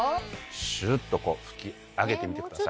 シュッとこう拭き上げてみてください。